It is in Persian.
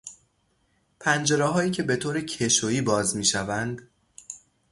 پنجرههایی که به طور کشویی باز میشوند